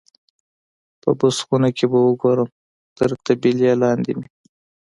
په بوس خونه کې به وګورم، تر طبیلې لاندې مې.